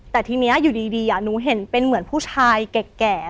แต่ทีนี้อยู่ดีหนูเห็นเป็นเหมือนผู้ชายแก่